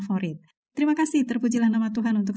marilah siapa yang mau